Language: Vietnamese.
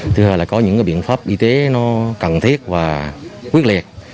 thứ hai là có những biện pháp y tế nó cần thiết và quyết liệt